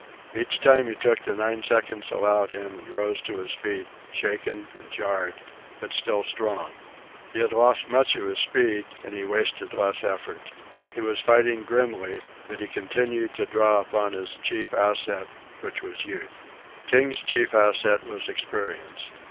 Each time he took the nine seconds allowed him and rose to his feet, shaken and jarred, but still strong. He had lost much of his speed, and he wasted less effort. He was fighting grimly; but he continued to draw upon his chief asset, which was Youth. King's chief asset was experience.